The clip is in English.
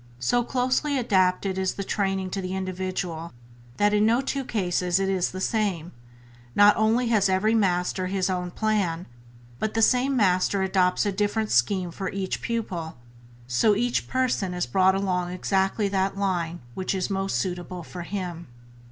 So closely adapted is the training to the individual that in no two cases is it the same; not only has every Master His own plan, but the same Master adopts a different scheme for each pupil, and so each person is brought along exactly that line which is most suitable for him.